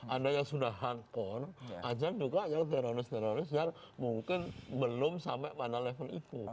ada yang sudah hardcore ada juga yang teroris teroris yang mungkin belum sampai pada level itu